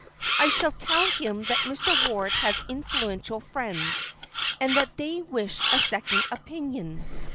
I shall tell him that Mr. Ward has influential friends, and that they wish a second opinion.